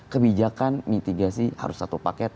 kebijakan mitigasi harus satu paket